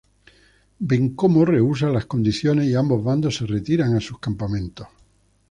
Bencomo rehúsa las condiciones y ambos bandos se retiran a sus campamentos.